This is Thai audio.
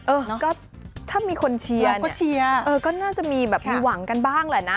เออถ้ามีคนเชียร์เนี่ยมีหวังกันบ้างแหละนะ